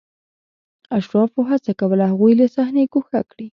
اشرافو هڅه کوله هغوی له صحنې ګوښه کړي.